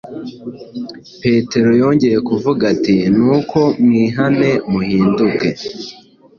Petero yongeye kuvuga ati : “Nuko mwihane muhindukire,